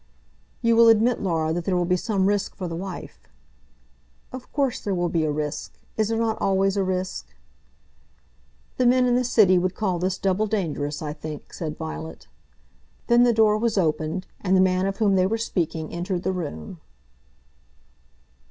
"You will admit, Laura, that there will be some risk for the wife." "Of course there will be a risk. Is there not always a risk?" "The men in the city would call this double dangerous, I think," said Violet. Then the door was opened, and the man of whom they were speaking entered the room.